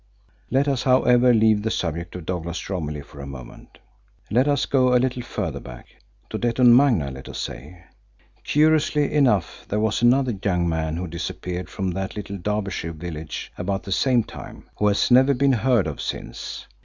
Let us, however, leave the subject of Douglas Romilly for a moment. Let us go a little further back to Detton Magna, let us say. Curiously enough, there was another young man who disappeared from that little Derbyshire village about the same time, who has never been heard of since.